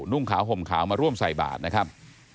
นุ่งขาวห่มขาวมาร่วมใส่บาทนะครับ